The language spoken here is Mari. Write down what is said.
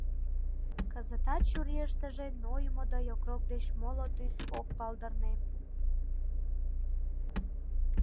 Кызытат чурийыштыже нойымо да йокрок деч моло тӱс ок палдырне.